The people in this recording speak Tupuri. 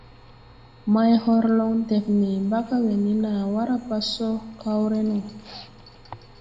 Maihorlong def nee mbaga we ne naa ʼwar pa so kawre no.